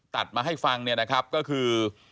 ตัดมาให้ฟังนะครับก็คือ